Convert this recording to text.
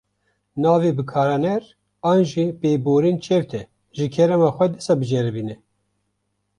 Navê bikarhêner an jî pêborîn çewt e, ji kerema xwe dîsa biceribîne.